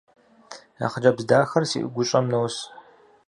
А хъыджэбз дахэр си гущӏэм нос.